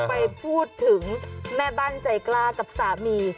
ไปพูดถึงแม่บ้านใจกล้ากับสามี